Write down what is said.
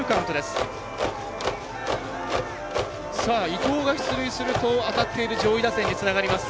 伊藤が出塁すると当たっている上位打線につながります。